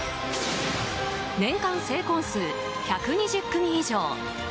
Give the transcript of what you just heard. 年間成婚数１２０組以上。